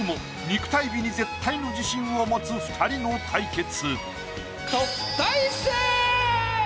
肉体美に絶対の自信を持つ二人の対決。